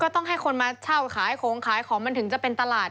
ต้องให้คนมาเช่าขายของขายของมันถึงจะเป็นตลาด